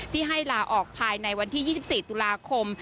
ที่ให้ลาออกภายในวันที่๒๔ตุลาคม